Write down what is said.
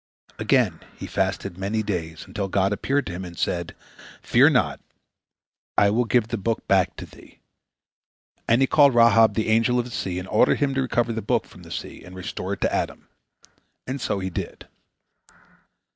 Again he fasted many days, until God appeared unto him, and said: "Fear not! I will give the book back to thee," and He called Rahab, the Angel of the Sea, and ordered him to recover the book from the sea and restore it to Adam. And so he did.